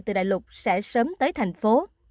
từ đại lục sẽ sớm tới thành phố